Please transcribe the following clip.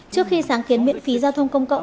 trước khi sáng kiến miễn phí giao thông công cộng